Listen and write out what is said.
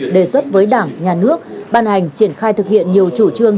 đề xuất với đảng nhà nước ban hành triển khai thực hiện nhiều chủ trương